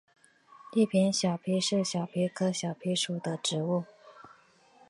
伊犁小檗是小檗科小檗属的植物。